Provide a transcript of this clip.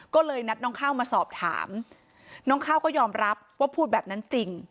ก็เลยนัดน้องข้าวมาสอบถามน้องข้าวก็ยอมรับว่าพูดแบบนั้นจริง